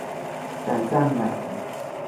การจ้างงาน